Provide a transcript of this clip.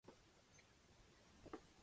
默兹河畔热尼库尔人口变化图示